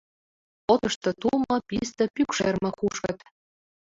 Отышто тумо, писте, пӱкшерме кушкыт.